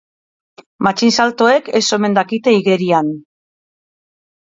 Matxinsaltoek ez omen dakite igerian.